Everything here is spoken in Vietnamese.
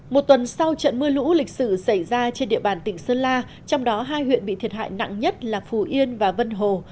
một tuần sau trận mưa lũ lịch sử xảy ra trên địa bàn tỉnh sơn la trong đó hai huyện bị thiệt hại nặng nhất là phù yên và vân hồ